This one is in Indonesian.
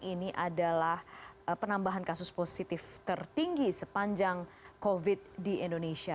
ini adalah penambahan kasus positif tertinggi sepanjang covid di indonesia